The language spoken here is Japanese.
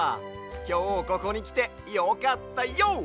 きょうここにきてよかったＹＯ！